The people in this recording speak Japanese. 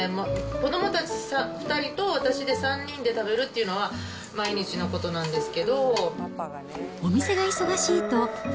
子どもたち２人と私で、３人で食べるっていうのは毎日のことなんですけど。